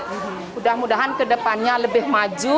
mudah mudahan ke depannya lebih maju